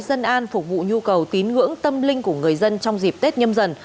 dân an phục vụ nhu cầu tín ngưỡng tâm linh của người dân trong dịp tết nhâm dần